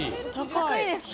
高いですか？